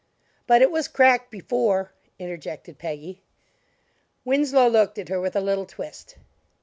"But it was cracked before," interjected Peggy. Winslow looked at her with a little twist.